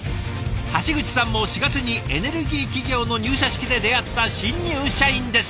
橋口さんも４月にエネルギー企業の入社式で出会った新入社員です。